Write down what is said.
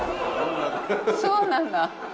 そうなんだ。